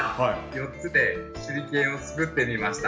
４つで手裏剣を作ってみました。